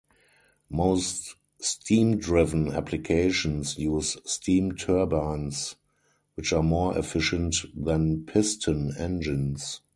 Most steam-driven applications use steam turbines, which are more efficient than piston engines.